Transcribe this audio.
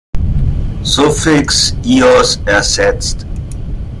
Suffix –ios ersetzt.